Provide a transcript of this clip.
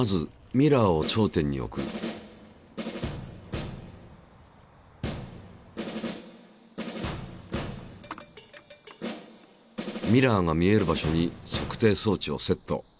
ミラーが見える場所に測定装置をセット。